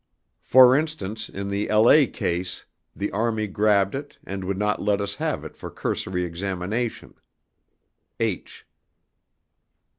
For instance in the La. case the Army grabbed it & would not let us have it for cursory examination. H.